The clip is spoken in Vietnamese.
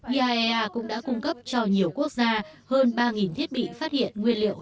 iaea cũng đã cung cấp cho nhiều quốc gia hơn ba thiết bị phát triển